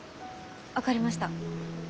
分かりました。